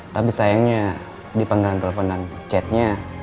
tapi sayangnya di panggilan telepon dan chatnya